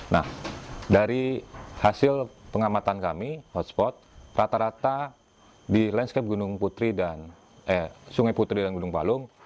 nah dari hasil pengamatan kami hotspot rata rata di lanskap sungai putri dan gunung palung